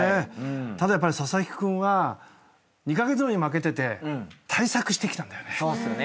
ただやっぱり佐々木君は２カ月前に負けてて対策してきたんだよね。